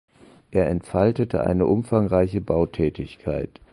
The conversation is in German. Er entfaltete eine umfangreiche Bautätigkeit.